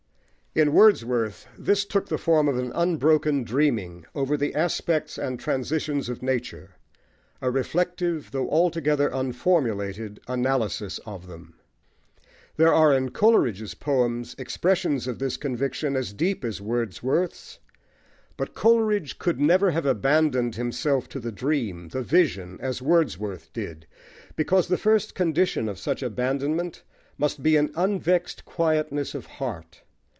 In Wordsworth this took the form of an unbroken dreaming over the aspects and transitions of nature a reflective, though altogether unformulated, analysis of them. There are in Coleridge's poems expressions of this conviction as deep as Wordsworth's. But Coleridge could never have abandoned himself to the dream, the vision, as Wordsworth did, because the first condition of such abandonment must be an unvexed quietness of heart.